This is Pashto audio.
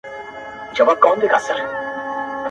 اوس و شپې ته هيڅ وارخطا نه يمه~